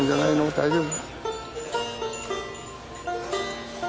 大丈夫？